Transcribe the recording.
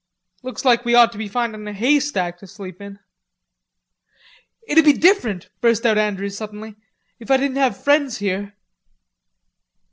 "Looks like we ought to be findin' a haystack to sleep in." "It'd be different," burst out Andrews, suddenly, "if I didn't have friends here."